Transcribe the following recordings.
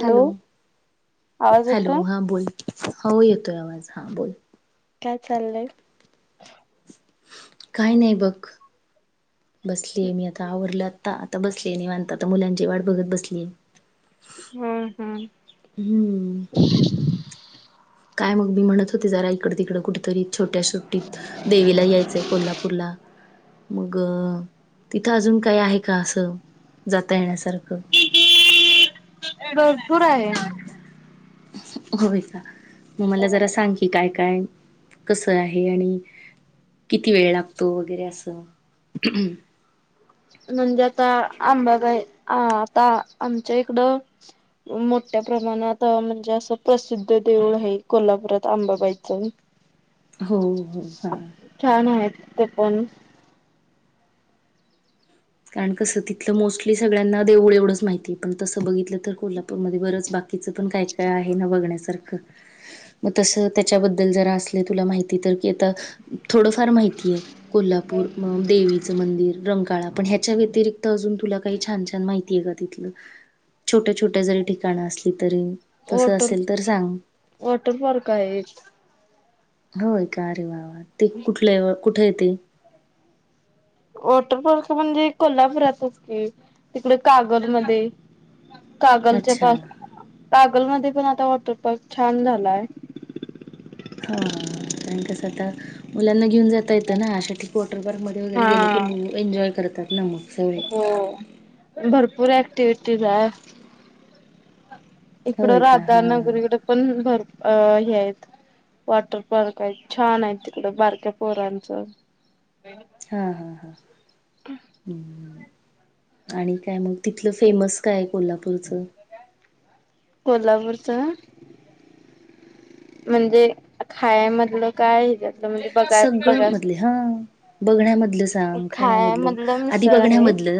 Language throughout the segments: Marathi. हॅलो आवाज हॅलो येतोय? हा बोल हो येतोय आवाज हा बोल काय चाललंय काय नाही बघ बसलीय मी आता आवरल आता आता बसलीय निवांत आता मुलांची वाट बघत बसलीय हम् हम्म हम्म काय मग मी म्हणत होते जरा इकड तिकडं कुठ तरी छोट्या सुटीत देवीला यायचंय कोल्हापूरला मग तिथं अजून काही हाय का असं जाता येण्यासारखं भरपूर आहे होय का मग मला जरा सांग की काय काय कस आहे आणि किती वेळ लागतो गर असं म्हणजे आता आंबागाय अ आता आमच्या इकडं मोठ्या प्रमाणात म्हणजे असं प्रसिद्ध देऊळ आहे कोल्हापुरात आंबाबाईचं हो हो हा पप्पांनी कारण कसं तिथलं मोस्टली सगळ्यांना देवळ एवढंच माहिती होत पण तसं बघितलं तर कोल्हा मध्ये बरंच बाकीचं पण काय काय आहे ना बघण्याच मग तस त्याच्याबद्दल जरा असल तुला माहिती तर तिथ थोडस फार माहितीय कोल्हापूर म देवीचं मंदिर रंकाळा पण ह्याच्या व्यतिरिक्त अजून तुला काही छान छान माहिती आहे का तिथलं छोट्या छोट्या जरी ठिकाणं असल तरी तसं वॉटर असेल तर सांग वॉटर पार्क आहे एक होय का अ रे वावा ते कुठल्या कुठे येत वॉटरपार्क म्हणजे कोल्हापुरातच की तिकडे कागल मध्ये कागलच्या पास अच्छा कागल पण आता वॉटर पार्क छान झालाय हा हा कारण कसं आता मुलांना घेऊन जाता येतं ना अशा ठिकाणी वॉटर पार्कमध्ये वगैरेले की हा मग एन्जॉय करतात ना मग सगळे. हो भरपूर ऍक्टिव्हटीज आहे इकडं होय का हा राधानगरीकडे पण आहेत वॉटर पार्क आहे छान आहे तिकडं बारक्या पोरांचं हा हा हा् आणि काय मग तिथलं फेमस काय कोल्हापूरच काय म्हणजे खायमधलं काय हच्यातलं म्हणजे बघा सगळं बघाय मधले हा बघण्यामधलं सांग खाया खाण्यामधलं मधलं आधी मिसळ आहे. बघण्यामधल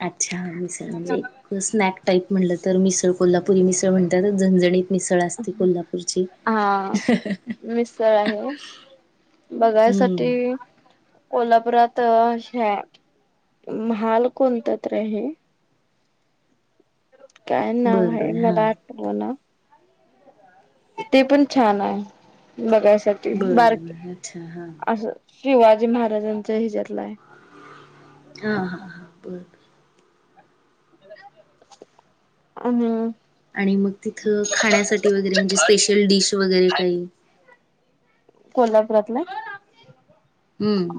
अच्छा म्हणजे स्नॅक टाईप म्हटलं तर मिसळ कोल्हापुरी मिसळ म्हणतातच झणझणीत मिसळ असती कोल्हापूरची हा मिसळ आहे. बघायसाठी हम्म कोल्हापुरात अशा महाल कोणत तर आहे काय नाव बरं आहे बरं हां मला आठवणा ते पण छान आहे बघायसाठी बरं बारक बरं अच्छा हां असं शिवाजी महाराजांचा हा हा हा बरर हम् आणि मग तिथं खाण्यासाठी वगैरे म्हणजे स्पेशल डिश वगैरे काही कोल्हापुरातलं हम्म.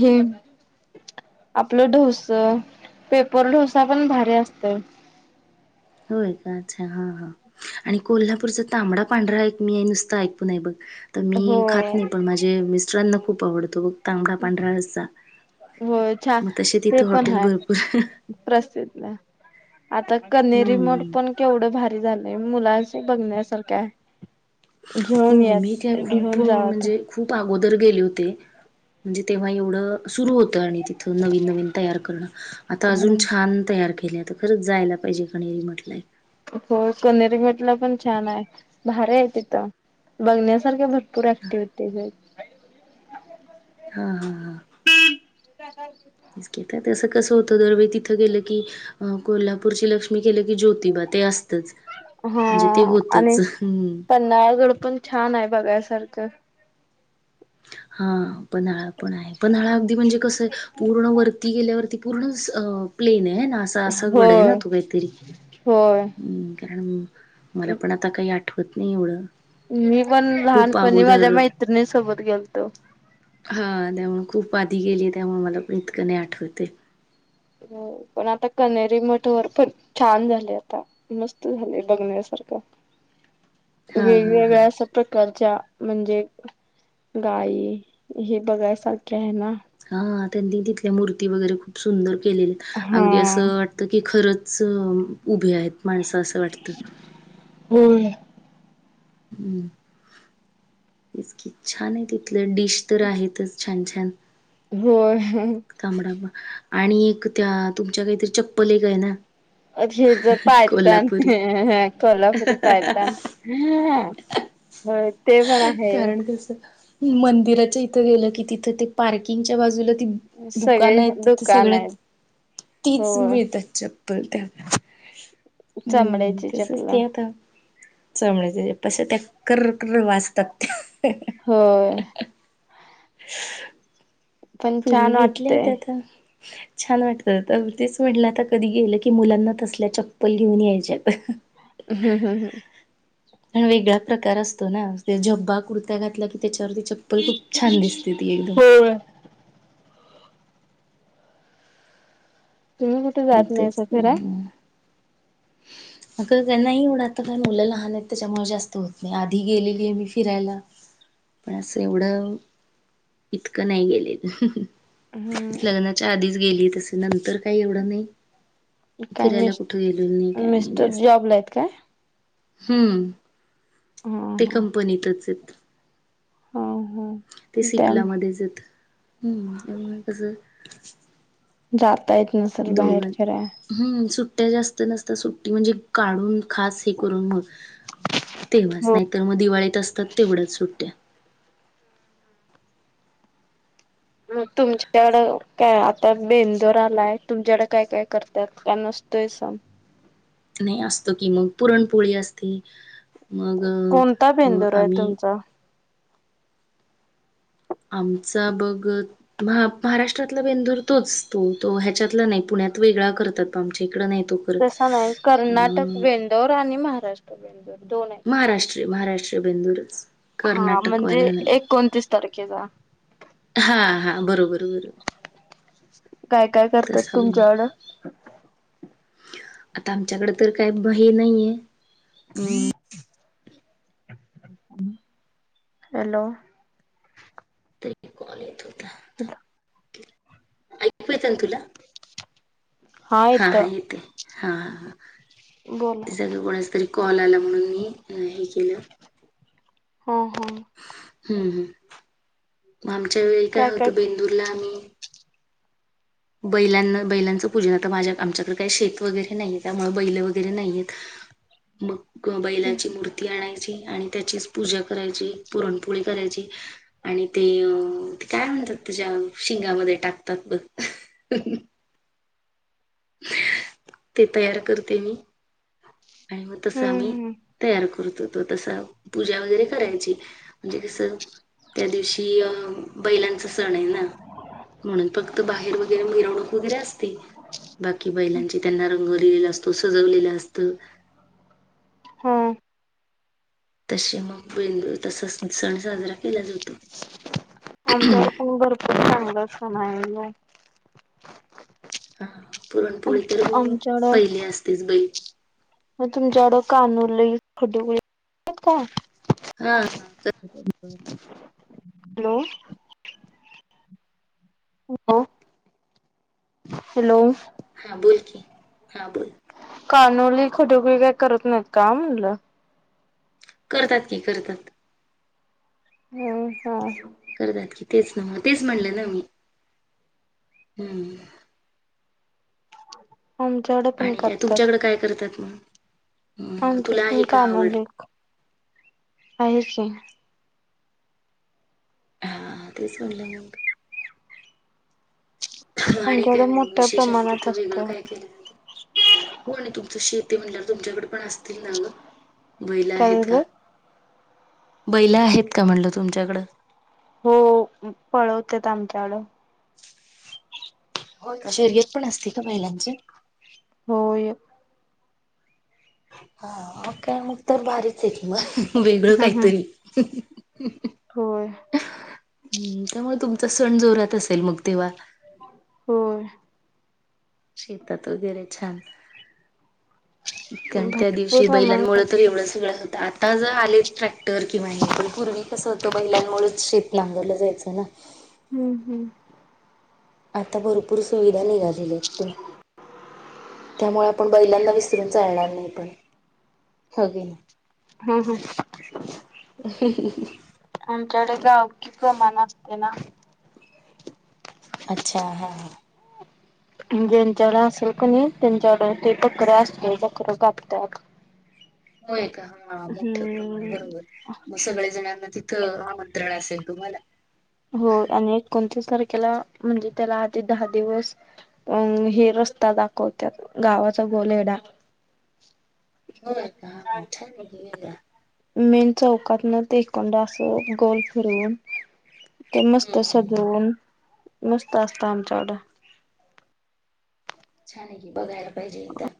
हम्म आपलं ढोस पेपर ढोसा पण भारी असत होय का अच्छा हा हा आणि कोल्हापूरचा तांबडा पांढरा एक मी आहे नुसतं ऐकून आहे बघ तर हो मी खात नाही पण माझे मिस्टरांना खूप आवडतो बघ तांबडा पांढरा रस्सा हो छान मग तसे ते तिथं पण हॉटेल ह भरपूर प्रसिद्ध आता कनेरी मठ हम्म. पण केवढं भारी झालंय मुलांच बघण्यासारखं आहे हो घेऊन हो या मी काय खूप घेऊन जावा आता म्हणजे खूप अगोदर गेले होते म्हणजे तेव्हा एवढं सुरु होत आणि तिथ नवीन नवीन तयार करणं आता अजून हम्म छान तयार केले खरंच जायला पाहिजे कनेरी मठला म्हटलंय हो कनेरी मटला पण छान आहे भार आहे तिथं बघण्यासारख्या भरपूर पूरा क्टिविटीज आहेत हा हा हा का इथे कसं असतं की कोल्हापूरची लक्ष्मी केलं की ज्योतिबा ते असत हा आणि हम्म. पन्हाळगड पण छान आहे बघायसारखं हा पन्हाळा पण आहे पन्हाळा अगदी म्हणजे कसं पूर्ण वरती गेल्यावरती पूर्ण प्लेन आहे असं असं घड आहे ना होय तू होय. काहीतरी् कारण मला पण आता काही आठवत नाही एवढं मी पण खूप लहानपणी माझ्या अगोदर मैत्रिणी सोबत गेलतो हा त्यामुळे खूप आधी गेली त्यामुळे मला पण इतकं नाही आठवते हो पण आता कनेरी मठ वर पण छान झाले आता मस्त झाले बघण्यासारखं हा हा हा. वेगवेेगळा्या स प्रकार म्हणजे गाय हे बघायस ना हा त्यांनी तिथल्या मूर्ती वगैरे खूप सुंदर केलेली अगदी हा. असं वाटतं की खरंच उभे आहेत माणसं असं वाटत होय छान आहे तिथलं डिश तर आहेतच छान छान हो तांबडाबा आणि एक त्या तुमच्या काहीतरी चप्पल काय ना अर हे जर पायतान कोल्हापुरी कोल्हापुरी पायतान होय ते पण आहे कारण कसं मंदिराच्या इथं गेलं की तिथ ते पार्किंगच्या बाजूला दुकानं सगळे आहेत तिथे दुकान आहेत सगळ्यात तीच होय मिळतात त हम् चमड्याची तसच चपला ते आता चामड्याच्या असतात ताशा तर कर कर वाचतात हो पण पूर्वी छान घेतल्या वाटतय होत्या आता छान वाटत तर तेच म्हटलं आता कधी गेलं की मुलांना तसल्या चप्पल घिऊन यायच्यात आणिण वेगळा प्रकार असतो ना जब्बा कुर्ता्या घातला की त्याच्यावरती चप्पल खूप छान दिसते ती एकदम होय तुम्ही कुठे जात तेच नाही फिराय [unintelligible] अग त्यांना एवढं आता काय मुलं लहान आहेत त्याच्यामुळे जास्त होत नाही आधी गेलेली आहे मी फिरायला पण असं एवढं इतकं नाही गेलेल हम्म लग्नाच्या आधीच गेली तसे नंतर काही एवढं नाही काय फिरायला मिस कुठे गेलो नाही काय नाही मिस्टर जास्त जॉबला आहेत काय हम्म हा ते हा कंपनीतच आहेत हा हा ते त्या सिपलामध्येच येत हम्म कसं जाता येत नसेल बाहेर फिराय ट्ट्या जास्त नसता सुट्टी म्हणजे काढून खास हे करून मग, तेव्हाच, हो नाहीतर मग दिवाळीत असतात तेवढ्याच सुट्ट्या. म तुमच्याकडं, काय आता बेंदूर आलाय तुमच्याकडं काय काय करतात? का नसत तोय सम नाही असतो की मग पुरणपोळी असते मग कोणता अ बेंदूर आहे आम्ही तुमचा आमचा बघ महा महाराष्ट्रातला बेंदूर तोच तो तो ह्याच्यातला नाही पुन्य त वेगळा करतात आमच्या इकडे नाही तो करत तसं नाही अ कर्नाटक बेंदोर आणि महाराष्ट्र बेंदोर दोन आहे महाराष्ट्र महाराष्ट्रीय बेंदूरच हा म्हणजे कर्नाटकवाला नाही एकोणतीस तारखेचा. हा हा बरोबर बरोबर. काय काय करतात तसा बन तुमच्याकडं? आता आमच्याकडे तर काय ब हे नाहीये अम [inaudible] हॅलो ते एक कॉल येत होता [unintelligible] ऐकू येतंय न तुला? हा हा येते, हा हा बोला सग कोणाचं तरी कॉल आला म्हणून मी, हे केलं हो हो हम्म हम्, मग आमच्या वेळी काय होतं बेंदूरला आम्ही बैलांना बैलांचं पूजन आता माझ्या आमच्याकडे काही शेत वगैरे नाहीय त्यामुळे बैलं वगैरे नाहीएत. मग हम्म बैलाची मूर्ती आणाय ची आणि त्याचीच पूजा करायची, पुरणपोळी करायची आणि ते काय म्ह आ त्याच्या शिंगामध्ये टाकतात ब ते तयार करते मी. आणि मग तसं आम्ही, हम्म हम्म तयार कर तो तसं, पूजा वगैरे करायची म्हणजे कसं त्या दिवशी अ बैलांचा सण आहे ना ना म्हणून फक्त बाहेर वगैरे मिरवणूक वगैरे असते. बाकी बैलांचे त्यांना रंग दिलेला असतो, सजवलेलं असतं. हम तसे मग बेंद तसा स सण साजरा केला जातो. आमच्याकडं पण भरपूर चांगलं सण [unintelligible] हा पुरणपोळी तर, आमच्याकडं पहिली असतेच बै मग तुमच्याकडं कानूले [unintelligible] का? हा हा [unintelligible] हॅलो ह हॅलो हा बोल की हा बोल कानोली, खटुगळे काही करत नाहीत का म्हनलं? करतात की करतात हम हा करतात की तेच ना म तेच म्हणलं ना मी हम् आमच्याकडे पण आणि काय करतात. तुमच्याकडे काय करतात? मग हम्म तुला आमच्यात पण आहे का आवड? कानुले आहेच ही. हा हा तेच म्हणलं मग् [unintelligible] आणि आमच्याकडे काय मग मोठ्या विशेष आणि प्रमाणात तिथं वेगळं असतंय. काय केलं जाते हो तुमचं शेत ते म्हल्या तुमच्याकडे पण असतील ना ग बैला काय आहेत का झालं? बैला आहेत का म्हणल तुमच्याकडं हो पळवतेेत आमच्याकड हो शर्यत पण असते का बहिलांची होय हा मग काय मग तर बारीच आहे की मग वेगळं काहीतरी हो हम्म त्यामुळे तुमचा सण जोरात असेल मग तेव्हा होय शेतात वगैरे छान ह कारण त्या दिवशी बैलांमुळेळ तर एवढं सगळं होतं आता जर आले ट्रॅक्टर किंवा हे पण पूर्वी कस त बहिलांमुळेच शीेत नांगरलं जायचं ना हम्म हम्म आता भरपूर सुविधा निघालेल्या आहेत त्यामुळे आपण बैलांना विसरून चालणार नाही पण होकी नाही हम्म हम् आमच्याकडे गाव कि प्रमाण असते ना अच्छा हा ज्यांच्याकडे असेल का नाही त्यांच्याकड ते बकरा असते बकरा कापतात होय का हा मोठ्या प्रमाण हम्म. बरोबर मग सगळ्या जणांना तिथ आमंत्रण असेल तुम्हाला हो आणि कोणतेच आणि त्याला म्हणजे त्याला आधी दहा दिवस अ हे रस्ता दाखवत्यात गावात अच्छा गोले एवडा होय का अच्छा हे ला मेन चौकातन ते हिकनड आसं गोल फिरूवून ते मस्त हम्म सजवून मस्त असतं आमच्याकड छान आहे की बघायला पाहिजे एकदा